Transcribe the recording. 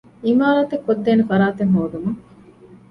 ޢިމާރާތެއް ކޮށްދޭނެ ފަރާތެއް ހޯދުމަށް